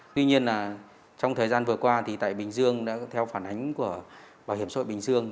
tuy nhiên là trong thời gian vừa qua thì tại bình dương đã theo phản ánh của bảo hiểm xã hội bình dương